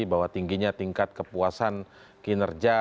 bahwa tingginya tingkat kepuasan kinerja